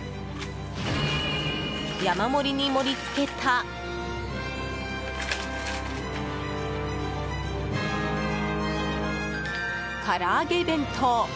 山盛りに盛り付けたからあげ弁当。